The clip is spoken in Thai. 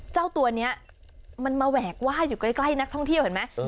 เจ้าตัวนี้มันมาแหวกว่าอยู่ใกล้นักท่องเที่ยวเห็นไหม